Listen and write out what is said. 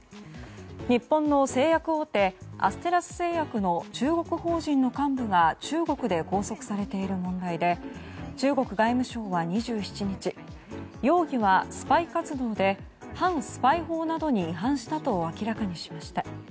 日本の製薬大手アステラス製薬の中国法人の幹部が中国で拘束されている問題で中国外務省は２７日容疑はスパイ活動で反スパイ法などに違反したと明らかにしました。